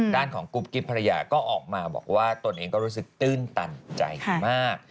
ด้านของกุ๊บกิ๊บภรรยาก็ออกมาบอกว่าตนเองก็รู้สึกตื้นตันใจมาก